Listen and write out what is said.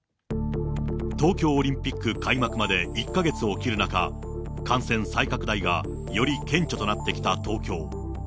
東京オリンピック開幕まで１か月を切る中、感染再拡大がより顕著となってきた東京。